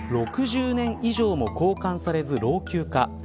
６０年以上も交換されず老朽化。